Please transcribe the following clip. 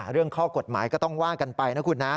เรื่องข้อกฎหมายก็ต้องว่ากันไปนะคุณนะ